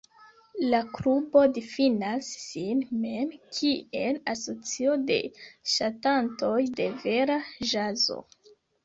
La klubo difinas sin mem kiel "asocio de ŝatantoj de vera ĵazo".